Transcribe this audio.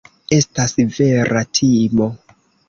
Estas vera timo.